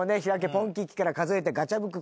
ポンキッキ』から数えてガチャムク